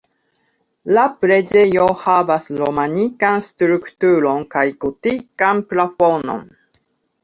La preĝejo havas romanikan strukturon kaj gotikan plafonon.